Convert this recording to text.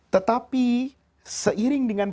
tetapi seiring dengan